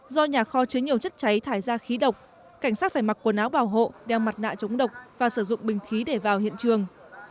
do nhà kho chứa nhiều chất cháy thải ra khí độc cảnh sát phải mặc quần áo bảo hộ đeo mặt nạ chống độc và sử dụng bình khí để vào hiện trường